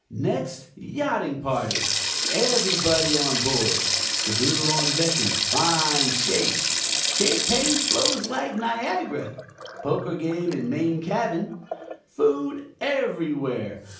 Next, yachting party. Everybody on board. De Boodle on deck in fine shape. Champagne flows like Niagara. Poker game in main cabin. Food everywhere.